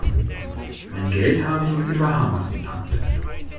Mein Geld habe ich auf den Bahamas geparkt.